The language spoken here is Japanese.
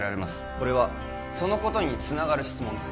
これはそのことにつながる質問です